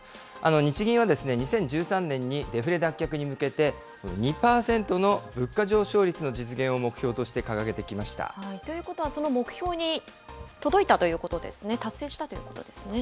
日銀は２０１３年にデフレ脱却に向けて、２％の物価上昇率の実現ということは、その目標に届いたということですね、達成したということですね。